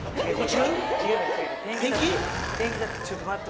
ちょっと待って。